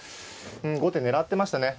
うん後手狙ってましたね。